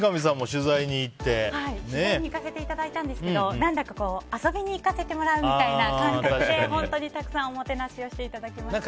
取材に行かせていただいたんですけど何だか、遊びに行かせてもらうみたいな感覚で本当にたくさんおもてなしをしていただきました。